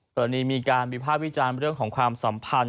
ตอนนี้มีการวิภาควิจารณ์เรื่องของความสัมพันธ์